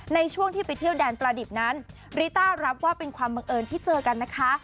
ในช่วงที่ไปเที่ยวแดนประดิษฐ์นั้นริต้ารับว่าเป็นความบังเอิญที่เจอกันนะคะ